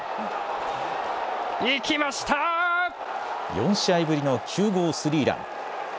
４試合ぶりの９号スリーラン。